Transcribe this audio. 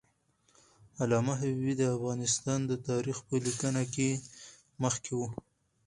علامه حبیبي د افغانستان د تاریخ په لیکنه کې مخکښ و.